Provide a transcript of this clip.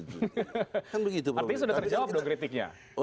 artinya sudah terjawab kritiknya